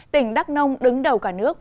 tỉnh đắk nông đứng đầu cả nước